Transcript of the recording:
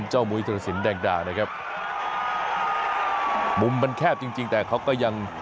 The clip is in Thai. มุยธิรสินแดงดานะครับมุมมันแคบจริงจริงแต่เขาก็ยัง